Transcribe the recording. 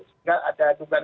sehingga ada dugaan